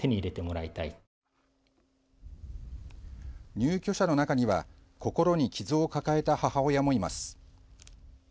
入居者の中には心に傷を抱えた母親もいます。